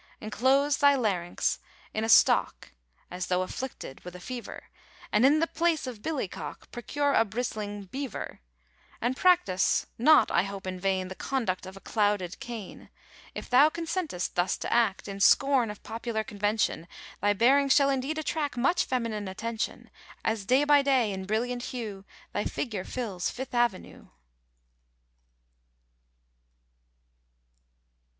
Enclose thy larynx in a stock (As though afflicted with the fever); And in the place of "billycock" Procure a bristling "beaver"; And practise, not I hope in vain, The "conduct of a clouded cane." If thou consentest thus to act, In scorn of popular convention, Thy bearing shall indeed attract Much feminine attention; As day by day, in brilliant hue, Thy figure fills Fifth Avenue.